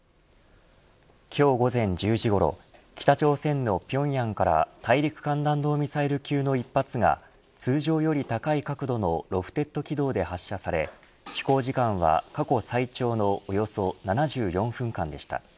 今日午前１０時ごろ北朝鮮の平壌から大陸間弾道ミサイル級の１発が通常より高い角度のロフテッド軌道で発射され飛行時間は、過去最長のおよそ７４分間でした。